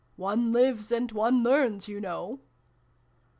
One lives and one learns, you know